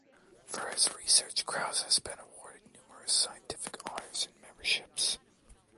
For his research Kraus has been awarded numerous scientific honours and memberships.